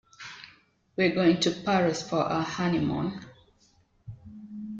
We're going to Paris for our honeymoon.